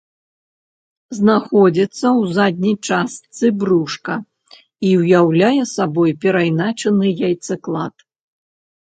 Знаходзіцца ў задняй частцы брушка і ўяўляе сабой перайначаны яйцаклад.